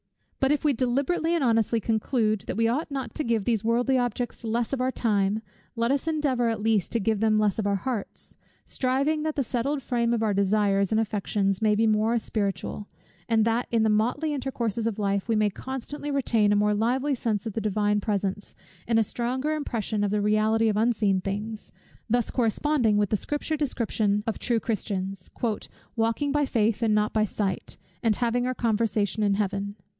But if we deliberately and honestly conclude that we ought not to give these worldly objects less of our time, let us endeavour at least to give them less of our hearts: striving that the settled frame of our desires and affections may be more spiritual; and that in the motley intercourses of life we may constantly retain a more lively sense of the Divine presence, and a stronger impression of the reality of unseen things; thus corresponding with the Scripture description of true Christians, "walking by faith and not by sight, and having our conversation in Heaven."